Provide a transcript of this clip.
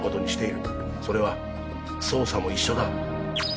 それは捜査も一緒だ。